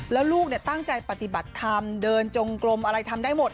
แล้วลูกตั้งใจปฏิบัติธรรมเดินจงกลมอะไรทำได้หมด